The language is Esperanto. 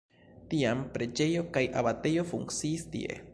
Tiam preĝejo kaj abatejo funkciis tie.